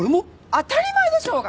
当たり前でしょうが！